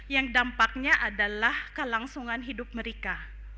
yang dampaknya adalah kelangsungan hidup mereka